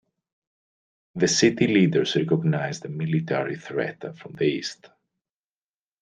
The city leaders recognized a military threat from the east.